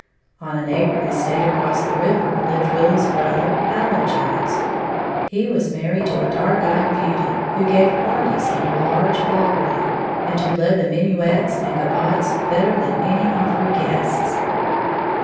On a neighboring estate across the river lived Willie's brother, Allen Jones. He was married to a dark eyed beauty who gave parties in her large ballroom, and who led the minuets and gavottes better than any of her guests.